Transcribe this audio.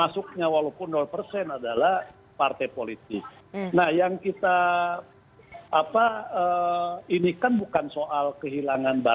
seperti itu ada